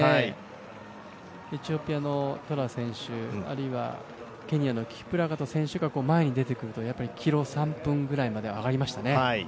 エチオピアのトラ選手あるいはケニアのキプラガト選手が前に出てくると、やっぱりキロ３分ぐらいまでは上がりましたね。